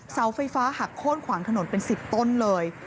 เสาไฟฟ้าหักโค้นขวางถนนเป็น๑๐ต้นเลย